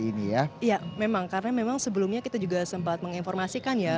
iya memang karena memang sebelumnya kita juga sempat menginformasikan ya